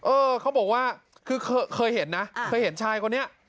เออเขาบอกว่าคือเคยเห็นนะเคยเห็นชายคนนี้